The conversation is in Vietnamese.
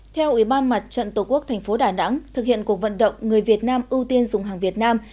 theo ủy ban mặt trận tổ quốc tp đà nẵng thực hiện cuộc vận động người việt nam ưu tiên dùng hàng việt nam